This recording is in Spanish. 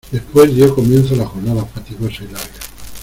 después dió comienzo la jornada fatigosa y larga.